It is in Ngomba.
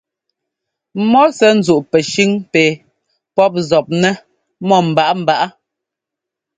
Mɔ sɛ́ ńzúꞌ pɛshʉ́ŋ pɛ pɔ́p zɔpnɛ́ mɔ́ mbaꞌámbaꞌá.